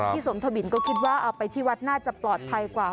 สมทวินก็คิดว่าเอาไปที่วัดน่าจะปลอดภัยกว่า